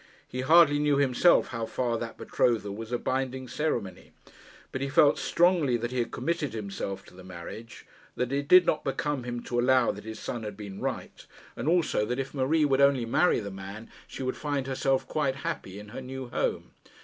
He hardly knew himself how far that betrothal was a binding ceremony. But he felt strongly that he had committed himself to the marriage; that it did not become him to allow that his son had been right; and also that if Marie would only marry the man, she would find herself quite happy in her new home.